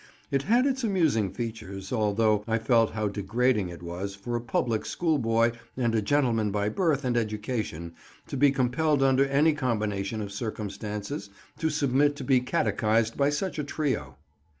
It had its amusing features, although I felt how degrading it was for a public school boy and a gentleman by birth and education to be compelled under any combination of circumstances to submit to be catechized by such a trio.